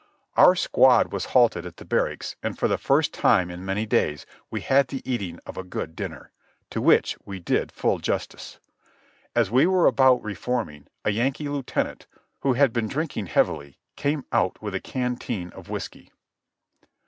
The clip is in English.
Our squad was halted at the barracks, and for the first time in many days we had the eating of a good dinner, to which we did full justice. As we were about reforming, a Yankee lieutenant, who had been drinking heavily, came out with a canteen of whiskey.